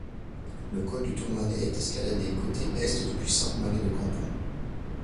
Le col du Tourmalet est escaladé côté Est depuis Sainte-Marie-de-Campan.